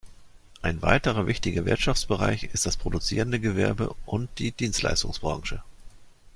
Ein weiterer wichtiger Wirtschaftsbereich ist das produzierende Gewerbe und die Dienstleistungsbranche.